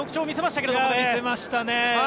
見せましたね。